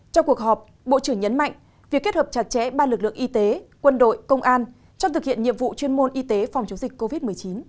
trong cuộc họp bộ trưởng nhấn mạnh việc kết hợp chặt chẽ ba lực lượng y tế quân đội công an trong thực hiện nhiệm vụ chuyên môn y tế phòng chống dịch covid một mươi chín